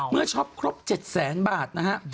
เมื่อช็อปครบ๗๐๐๐๐๐บาทนะฮะ